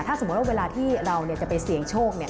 ถ้าสมมุติว่าเวลาที่เราจะไปเสี่ยงโชค